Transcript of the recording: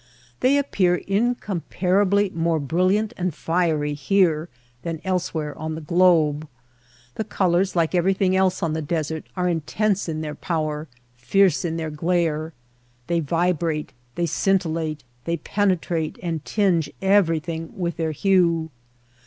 They appear incomparably more brilliant and fiery here than elsewhere on the globe. The colors, like everything else on the desert, are intense in their power, fierce in their glare. They vibrate, they scintillate, they penetrate and tinge everything with their hue.